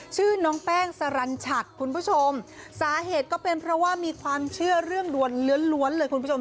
ชื่อน้องแป้งสรรชัดคุณผู้ชมสาเหตุก็เป็นเพราะว่ามีความเชื่อเรื่องดวนล้วนเลยคุณผู้ชม